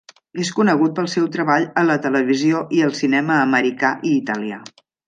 És conegut pel seu treball a la televisió i al cinema americà i italià.